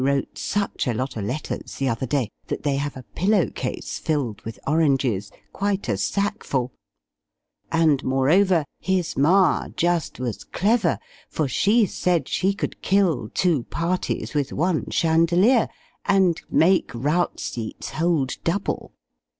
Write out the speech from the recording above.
wrote such a lot o' letters the other day; that they have a pillow case filled with oranges quite a sack full; and, moreover, his Ma'. just was clever for she said she could kill two parties with one chandelier, and make rout seats hold double!